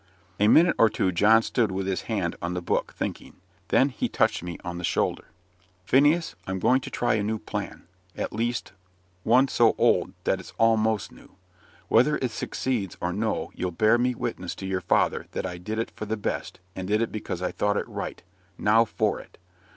A minute or two John stood with his hand on the Book, thinking. Then he touched me on the shoulder. "Phineas, I'm going to try a new plan at least, one so old, that it's almost new. Whether it succeeds or no, you'll bear me witness to your father that I did it for the best, and did it because I thought it right. Now for it."